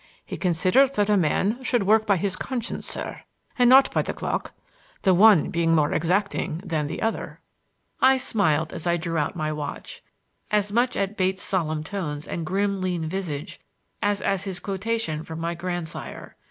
He considered that a man should work by his conscience, sir, and not by the clock,—the one being more exacting than the other." I smiled as I drew out my watch,—as much at Bates' solemn tones and grim lean visage as at his quotation from my grandsire.